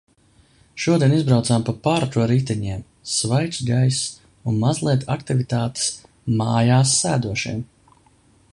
Šodien izbraucām pa parku ar riteņiem – svaigs gaiss un mazliet aktivitātes mājās sēdošiem.